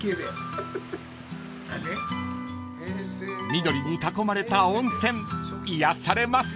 ［緑に囲まれた温泉癒やされます］